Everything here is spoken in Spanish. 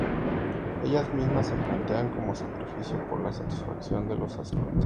Ellas mismas se plantean como sacrificio por la santificación de los sacerdotes.